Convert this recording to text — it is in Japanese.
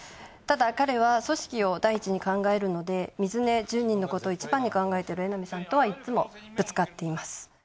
ただ彼は組織を第一に考えるので水根住人のことをいちばんに考えている江波さんとはいっつもぶつかっています。